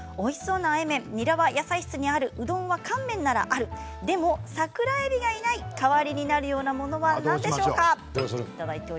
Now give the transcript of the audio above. おいしそうなあえ麺、にらは野菜室にあるうどんが乾麺ならある、でも桜えびがいない、代わりになるようなものはありますか。